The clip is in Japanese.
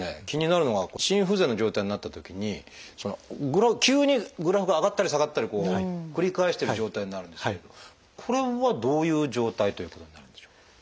気になるのが心不全の状態になったときに急にグラフが上がったり下がったり繰り返してる状態になるんですけどこれはどういう状態ということになるんでしょう？